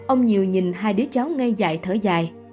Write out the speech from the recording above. ông nhiều nhìn hai đứa cháu ngây dại thở dài